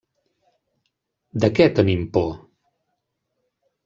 De què tenim por?